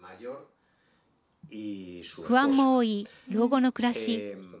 不安も多い老後の暮らし。